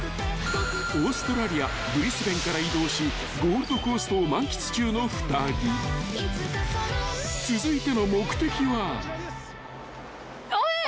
［オーストラリアブリスベンから移動しゴールドコーストを満喫中の２人］えっ！